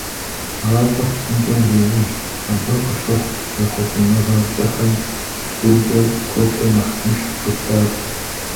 Гъащӏэм псынщӏэу зеужь, абы къыщыхъу зэхъуэкӏыныгъэщӏэхэм псэукӏэр куэдкӏэ нэхъ тынш къытщащӏ.